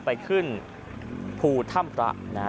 ไปขึ้นภูธ่ำระนะ